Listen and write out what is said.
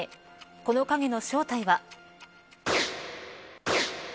この影の正体は。